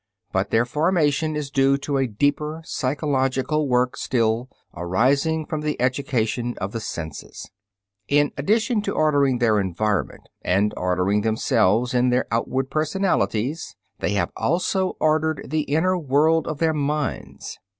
But their formation is due to a deeper psychological work still, arising from the education of the senses. In addition to ordering their environment and ordering themselves in their outward personalities, they have also ordered the inner world of their minds.